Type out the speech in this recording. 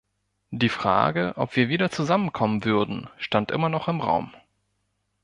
Die Frage, ob wir wieder zusammenkommen würden, stand immer noch im Raum.